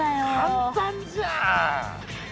簡単じゃん。